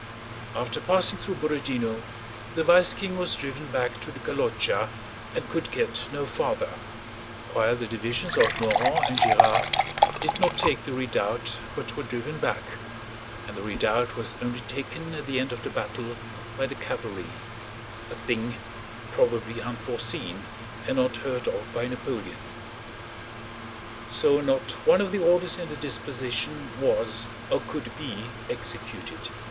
After passing through Borodinó the vice King was driven back to the Kolochá and could get no farther; while the divisions of Morand and Gérard did not take the redoubt but were driven back, and the redoubt was only taken at the end of the battle by the cavalry (a thing probably unforeseen and not heard of by Napoleon). So not one of the orders in the disposition was, or could be, executed.